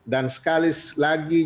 dan sekali lagi